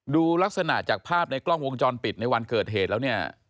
ดูลักษณะจากภาพในกล้องวงจรปิดในวันเกิดเหตุแล้วเนี่ย